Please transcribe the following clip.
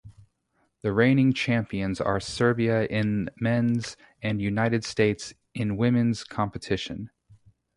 The reigning champions are Serbia in men's and United States in women's competition.